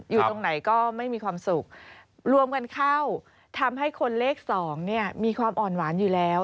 อยู่ตรงไหนก็ไม่มีความสุขรวมกันเข้าทำให้คนเลข๒เนี่ยมีความอ่อนหวานอยู่แล้ว